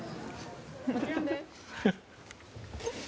もちろんです。